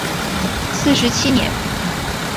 四十七年。